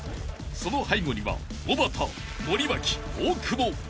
［その背後にはおばた森脇大久保］